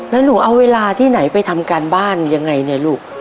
แล้วหนูเอาเวลาที่ไหนไปทำการบ้านยังไงเนี่ยลูก